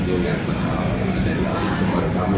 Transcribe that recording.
joget mahal yang terjadi di album semuanya kamu